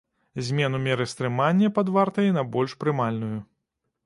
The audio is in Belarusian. Змену меры стрымання пад вартай на больш прымальную.